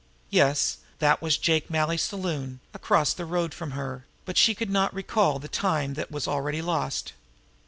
Yes, that was Jake Malley's saloon now, across the road from her, but she could not recall the time that was already lost!